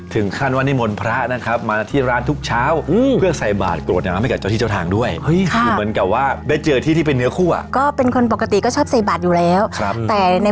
ถึงขั้นวันนี้มนตร์พระนะครับมาที่ร้านทุกเช้า